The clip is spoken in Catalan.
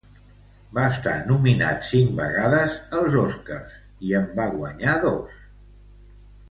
Va estar nominat cinc vegades als Oscars i en va guanyar dos.